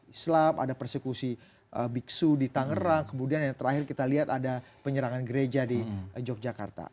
islam ada persekusi biksu di tangerang kemudian yang terakhir kita lihat ada penyerangan gereja di yogyakarta